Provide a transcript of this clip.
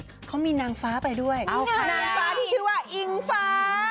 เขามีนางฟ้าไปด้วยนางฟ้าที่ชื่อว่าอิงฟ้า